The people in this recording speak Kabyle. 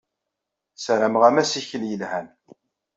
Ssarameɣ-am assikel yelhan.